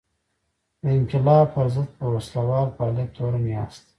د انقلاب پر ضد په وسله وال فعالیت تورن یاست.